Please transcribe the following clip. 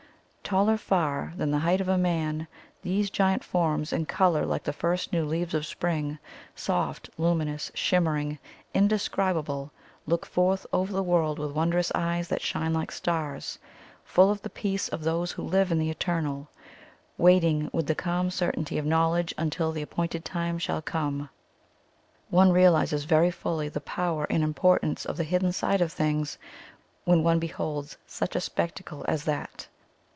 Taller far than the height of man, these giant forms, in colour like the first new leaves of spring, soft, luminous, shimmer ing, indescribable, look forth over the world with wondrous eyes that shine like stars, full of the peace of those who live in the eternal, waiting with the calm certainty of knowl edge until the appointed time shall come. One realizes very fully the power and impor tance of the hidden side of things when one beholds such a spectacle as that.